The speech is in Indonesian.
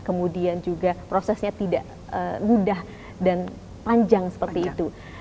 kemudian juga prosesnya tidak mudah dan panjang seperti itu